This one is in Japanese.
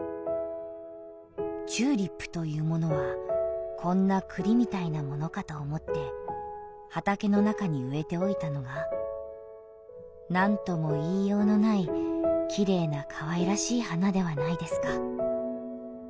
「チューリップというものはこんな栗みたいなものかと思って畑の中に植えておいたのがなんとも言いようのない綺麗な可愛らしい花ではないですか」。